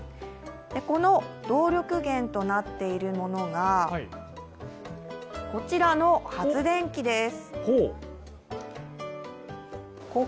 この動力源となっているものが、こちらの発電機です。